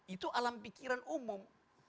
itu alam pikiran umum